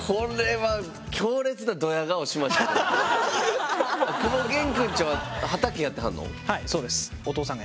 はい。